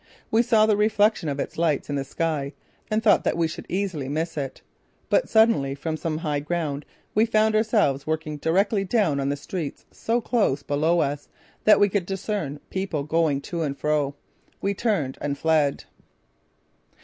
We saw the reflection of its lights in the sky and thought that we should easily miss it. But suddenly from some high ground we found ourselves working directly down on the streets so close below us that we could discern people going to and fro. We turned and fled.